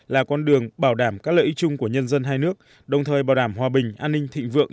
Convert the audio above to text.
là con đường bảo đảm các lợi ích chung của nhân dân hai nước đồng thời bảo đảm hòa bình an ninh thịnh vượng